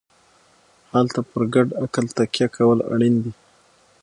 هلته پر ګډ عقل تکیه کول اړین دي.